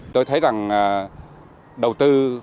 tôi thấy rằng đầu tư